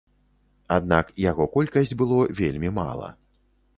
Аднак яго колькасць было вельмі мала.